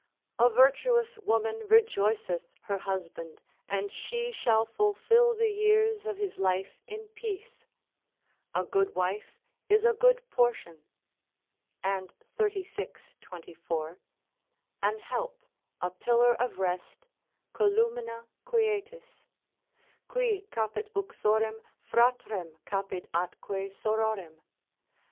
A virtuous woman rejoiceth her husband, and she shall fulfil the years of his life in peace. A good wife is a good portion (and xxxvi. 24), an help, a pillar of rest, columina quietis, Qui capit uxorem, fratrem capit atque sororem.